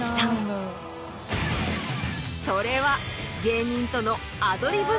それは。